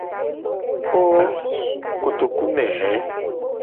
Oooooo kotoku ne hee!